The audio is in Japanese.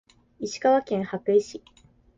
石川県羽咋市